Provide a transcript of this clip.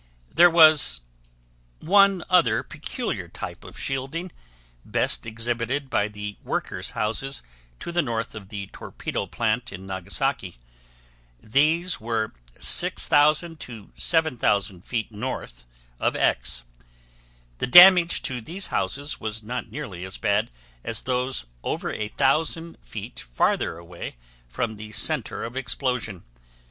There was one other peculiar type of shielding, best exhibited by the workers' houses to the north of the torpedo plant in Nagasaki. These were 6,000 to 7,000 feet north of X. The damage to these houses was not nearly as bad as those over a thousand feet farther away from the center of explosion.